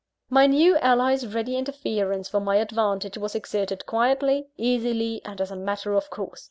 My new ally's ready interference for my advantage was exerted quietly, easily, and as a matter of course.